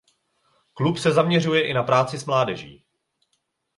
Klub se zaměřuje i na práci s mládeží.